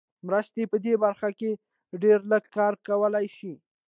مرستې په دې برخه کې ډېر لږ کار کولای شي.